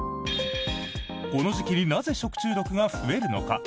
この時期になぜ食中毒が増えるのか？